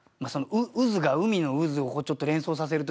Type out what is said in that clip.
渦が海の渦をちょっと連想させるというか。